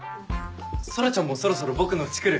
空ちゃんもそろそろ僕の家来る？